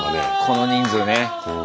この人数ね。